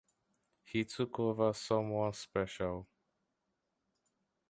He took over someone special.